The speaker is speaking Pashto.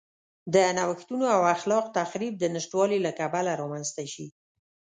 د نوښتونو او خلاق تخریب د نشتوالي له کبله رامنځته شي.